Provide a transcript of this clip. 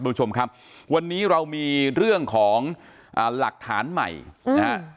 คุณผู้ชมครับวันนี้เรามีเรื่องของหลักฐานใหม่นะฮะ